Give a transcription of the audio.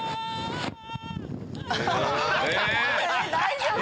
大丈夫？